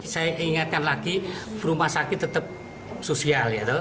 saya ingatkan lagi rumah sakit tetap sosial